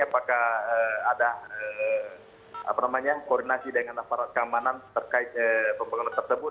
apakah ada koordinasi dengan aparat keamanan terkait pembangunan tersebut